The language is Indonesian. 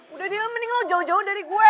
udah dia mending lo jauh jauh dari gue